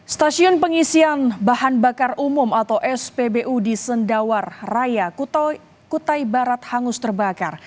stasiun pengisian bahan bakar umum atau spbu di sendawar raya kutai barat hangus terbakar